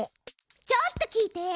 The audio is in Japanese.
ちょっと聞いて。